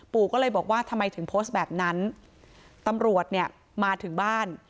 ปู่ก็เลยบอกว่าทำไมถึงโพสต์แบบนั้นตำรวจเนี่ยมาถึงบ้าน